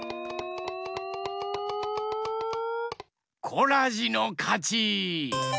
コラジのかち！